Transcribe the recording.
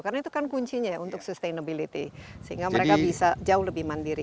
karena itu kan kuncinya untuk sustainability sehingga mereka bisa jauh lebih mandiri